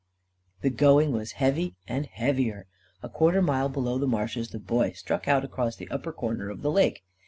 The going was heavy and heavier. A quarter mile below the marshes the Boy struck out across the upper corner of the lake.